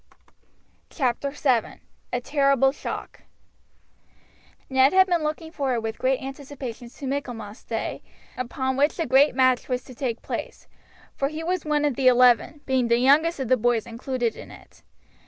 CHAPTER VII: A TERRIBLE SHOCK Ned had been looking forward with great anticipations to Michaelmas day, upon which the great match was to take place; for he was one of the eleven, being the youngest of the boys included in it.